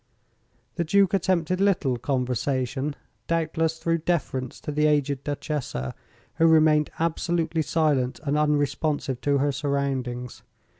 The Duke attempted little conversation, doubtless through deference to the aged Duchessa, who remained absolutely silent and unresponsive to her surroundings.